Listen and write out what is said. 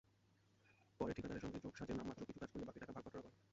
পরে ঠিকাদারের সঙ্গে যোগসাজশে নামমাত্র কিছু কাজ করিয়ে বাকি টাকা ভাগ-বাঁটোয়ারা করেন।